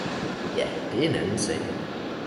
Ja det er en anden sag